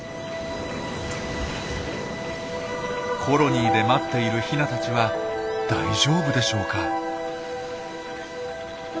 コロニーで待っているヒナたちは大丈夫でしょうか？